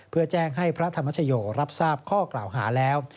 เพื่อแจ้งให้พระธรรมชโยรับทราบข้อกล่าวหาแล้ว